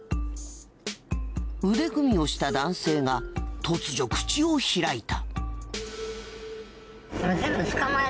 腕組みをした男性が突如口を開いた。